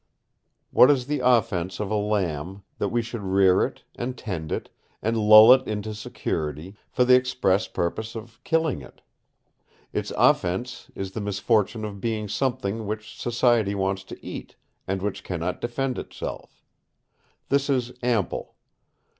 What is the offence of a lamb that we should rear it, and tend it, and lull it into security, for the express purpose of killing it? Its offence is the misfortune of being something which society wants to eat, and which cannot defend itself. This is ample.